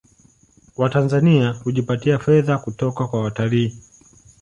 Watanzania hujipatia fedha kutoka kwa watalii